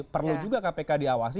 perlu juga kpk diangkat